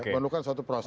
pemerlukan suatu proses